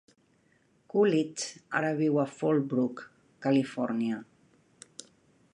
Coolidge ara viu a Fallbrook, Califòrnia.